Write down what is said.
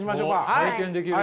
おっ体験できる？